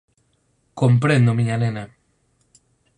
Comprendo, miña nena.